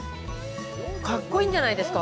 かっこいいんじゃないですか。